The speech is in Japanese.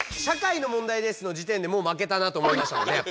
「社会の問題です」のじてんでもう負けたなと思いましたもんね